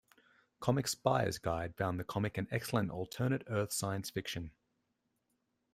Comics Buyer's Guide found the comic an excellent alternate-Earth science fiction.